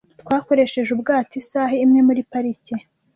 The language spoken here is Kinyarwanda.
Twakoresheje ubwato isaha imwe muri parike.